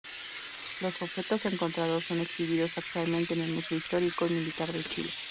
Los objetos encontrados son exhibidos actualmente en el Museo Histórico y Militar de Chile.